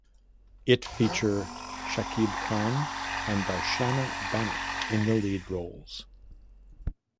It feature Shakib Khan and Darshana Banik in the lead roles.